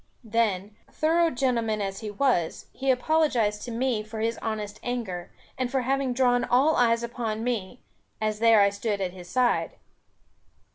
Then, thorough gentleman as he was, he apologized to me for his honest anger, and for having drawn all eyes upon me, as there I stood at his side.